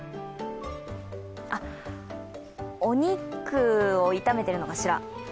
お肉を炒めてるのかしら。